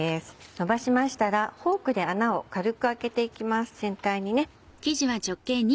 のばしましたらフォークで穴を軽く開けていきます全体にね。